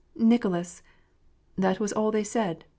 " "Nicolas!" That was all they said.